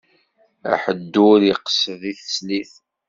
Aḥeddur iqsed i teslit.